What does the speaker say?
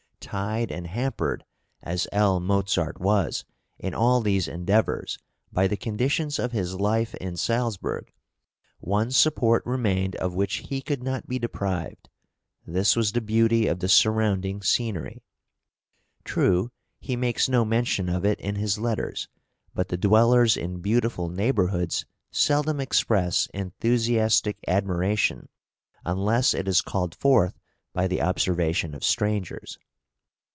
Tied and hampered, as L. Mozart was, in all these endeavours by the conditions of his life in Salzburg, one support remained of which he could not be deprived; this was the beauty of the surrounding scenery. True, he makes no mention of it in his letters, but the dwellers in beautiful neighbourhoods seldom express enthusiastic admiration unless it is called forth by the observation of strangers.